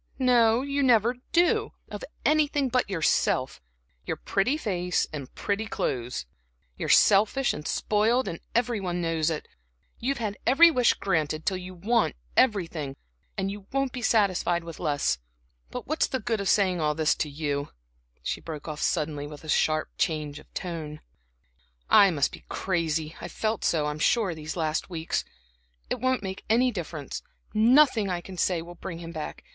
no, you never do, of anything but yourself, your pretty face and pretty clothes! You're selfish and spoiled every one knows it; you've had every wish granted till you want everything, and you won't be satisfied with less. But what's the good of saying all this to you?" she broke off suddenly, with a sharp change of tone. "I must be crazy; I've felt so, I'm sure, these last weeks. It won't make any difference nothing I say can bring him back.